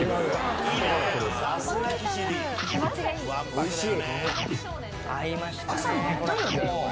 ・おいしい。